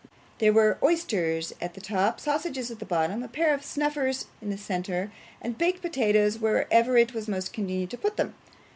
There were oysters at the top, sausages at the bottom, a pair of snuffers in the centre, and baked potatoes wherever it was most convenient to put them.